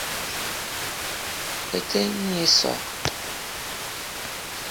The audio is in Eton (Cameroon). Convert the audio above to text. Bete nyi i soag.